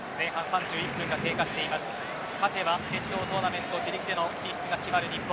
勝てば決勝トーナメント自力での進出が決まる日本。